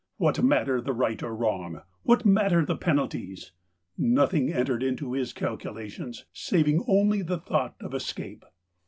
What matter the right or wrong — what matter the penalties ? Nothing entered into his calcula tions, saving only the thought of escape.